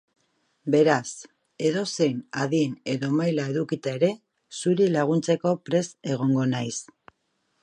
Beraz, edozein adin edo maila edukita ere, zuri laguntzeko prest egongo naiz.